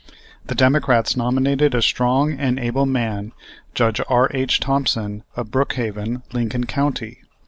The Democrats nominated a strong and able man, Judge R.H. Thompson, of Brookhaven, Lincoln County.